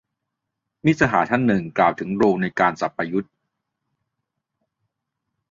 มิตรสหายท่านหนึ่ง กล่าวถึงโรลในการ สับประยุทธ์